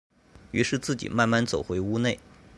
於是自己慢慢走回屋内